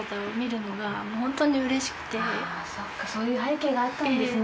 あぁそっかそういう背景があったんですね。